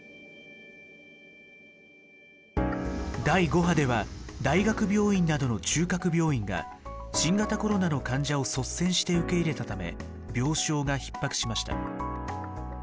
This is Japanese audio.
第５波では大学病院などの中核病院が新型コロナの患者を率先して受け入れたため病床がひっ迫しました。